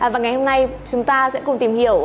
và ngày hôm nay chúng ta sẽ cùng tìm hiểu